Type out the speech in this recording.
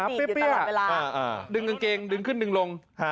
มันดึงขึ้นดึงลง